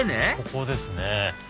ここですね。